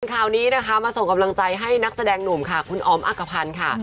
คราวนี้นะคะมาส่งกำลังใจให้นักแสดงหนุ่มค่ะคุณออมอักภัณฑ์ค่ะ